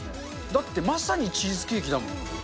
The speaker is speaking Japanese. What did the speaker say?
だってまさにチーズケーキだもん。